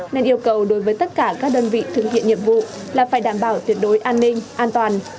nên yêu cầu đối với tất cả các đơn vị thực hiện nhiệm vụ là phải đảm bảo tuyệt đối an ninh an toàn